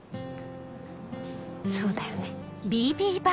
そうだよね。